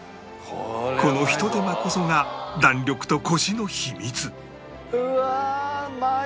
このひと手間こそが弾力とコシの秘密